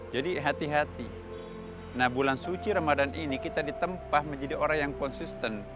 jadi hati hati nah bulan suci ramadhan ini kita ditempah menjadi orang yang konsisten